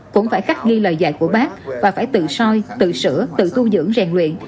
cũng phải khắc ghi lời dạy của bác và phải tự soi tự sửa tự thu dưỡng rèn luyện